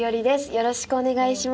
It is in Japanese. よろしくお願いします。